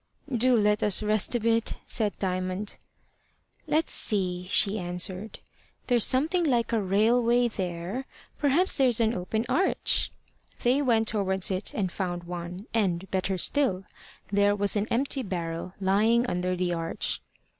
"Do let us rest a bit," said Diamond. "Let's see," she answered. "There's something like a railway there. Perhaps there's an open arch." They went towards it and found one, and, better still, there was an empty barrel lying under the arch.